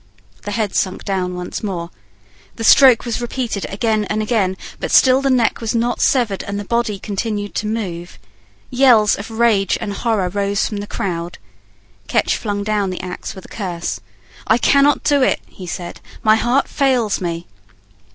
The head sunk down once more. The stroke was repeated again and again; but still the neck was not severed, and the body continued to move. Yells of rage and horror rose from the crowd. Ketch flung down the axe with a curse. "I cannot do it," he said; "my heart fails me."